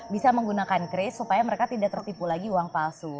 bisa menggunakan crace supaya mereka tidak tertipu lagi uang palsu